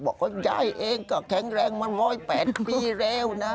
บอกว่ายายเองก็แข็งแรงมา๑๐๘ปีแล้วนะ